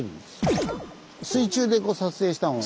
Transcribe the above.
水中で撮影したのを。